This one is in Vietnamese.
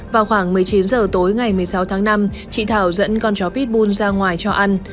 vào khoảng một mươi chín h tối ngày một mươi sáu tháng năm chị thảo dẫn con chó pit bun ra ngoài cho ăn